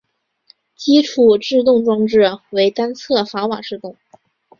基础制动装置为单侧闸瓦制动。